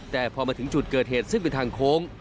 แต่พอมาถึงจุดเกิดเหตุซึ่งเป็นทางโค้ง